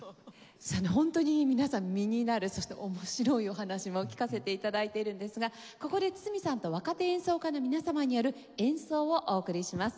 本当に皆さん身になるそして面白いお話も聞かせて頂いているんですがここで堤さんと若手演奏家の皆様による演奏をお送りします。